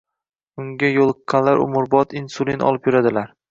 Unga yo‘liqqanlar umrbod insulin olib yuradilar